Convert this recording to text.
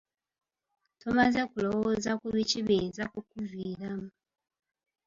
Tomaze kulowooza ku biki biyinza kukuviiramu.